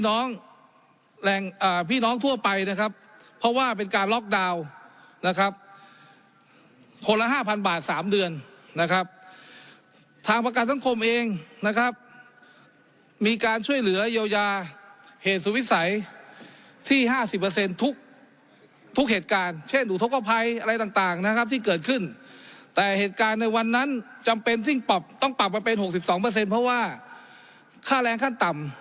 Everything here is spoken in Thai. น้องทั่วไปนะครับเพราะว่าเป็นการล็อกดาวน์นะครับคนละห้าพันบาทสามเดือนนะครับทางประการสังคมเองนะครับมีการช่วยเหลือเยียวยาเหตุสุวิสัยที่ห้าสิบเปอร์เซ็นต์ทุกทุกเหตุการณ์เช่นอุทกภัยอะไรต่างต่างนะครับที่เกิดขึ้นแต่เหตุการณ์ในวันนั้นจำเป็นสิ่งปรับต้องปรับมาเป็นหกสิบสองเปอร์เซ็น